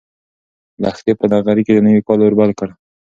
لښتې په نغري کې د نوي کال اور بل کړ.